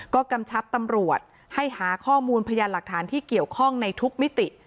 ก็กำชับตำรวจให้หาข้อมูลพยานหลักฐานที่เกี่ยวข้องในทุกมิติ